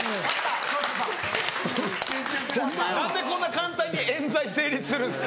何でこんな簡単に冤罪成立するんですか？